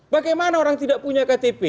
bagaimana orang tidak punya ktp